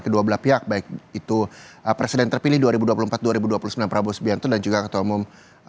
kedua belah pihak baik itu presiden terpilih dua ribu dua puluh empat dua ribu dua puluh sembilan prabowo subianto dan juga ketua umum